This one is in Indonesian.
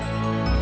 di hogout yang